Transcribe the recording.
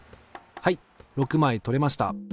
はい６枚撮れました。